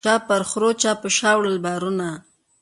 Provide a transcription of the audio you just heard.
چا پر خرو چا به په شا وړله بارونه